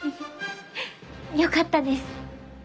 よかったです。